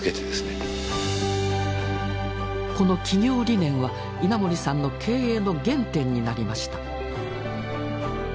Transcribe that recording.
この企業理念は稲盛さんの経営の原点になりました。